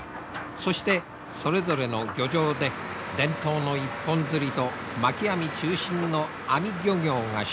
そしてそれぞれの漁場で伝統の一本づりとまき網中心の網漁業がしのぎを削っている。